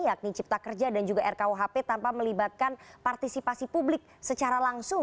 yakni cipta kerja dan juga rkuhp tanpa melibatkan partisipasi publik secara langsung